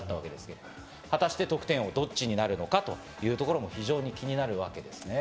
果たして得点王はどっちになるのかというところも非常に気になるわけですね。